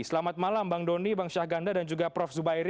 selamat malam bang doni bang syahganda dan juga prof zubairi